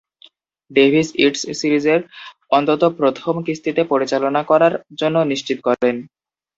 David Yates সিরিজের অন্তত প্রথম কিস্তিতে পরিচালনা করার জন্য নিশ্চিত করেন।